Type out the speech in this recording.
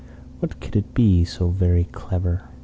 What could it be so very clever?